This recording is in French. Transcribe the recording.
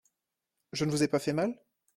Je ne vous ai pas fait mal ?